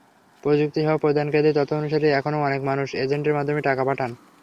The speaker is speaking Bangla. প্রযুক্তি সেবা প্রদানকারীদের তথ্য অনুসারে, এখনো অনেক মানুষ এজেন্টের মাধ্যমেই টাকা পাঠান।